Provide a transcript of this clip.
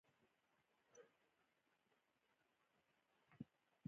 چی د هغی یوه جمله دا ده